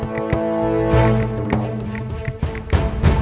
kau kenapa gagal begini jadi kayak gini thanks